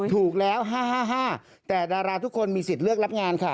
ถูกแล้ว๕๕แต่ดาราทุกคนมีสิทธิ์เลือกรับงานค่ะ